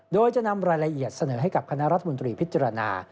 โดยจะนำรายละเอียดเสนอให้กับคณะรัฐมนตรีพิจารณา